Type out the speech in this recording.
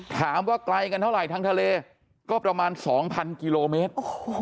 ถามว่าไกลกันเท่าไหร่ทางทะเลก็ประมาณ๒๐๐กิโลเมตร